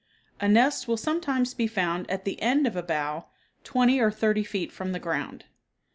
A nest will sometimes be found at the end of a bough, twenty or thirty feet from the ground.